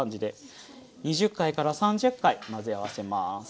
２０回から３０回混ぜ合わせます。